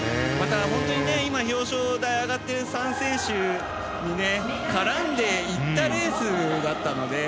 今、表彰台に上がっている３選手に絡んでいったレースだったので。